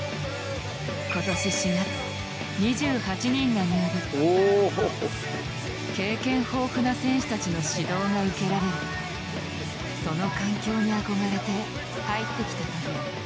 今年４月経験豊富な選手たちの指導が受けられるその環境に憧れて入ってきたという。